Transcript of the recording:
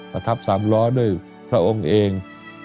ประทับสามล้อด้วยพระองค์เอง